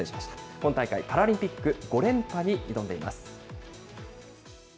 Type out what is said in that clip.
今大会、パラリンピック５連覇に挑んでいます。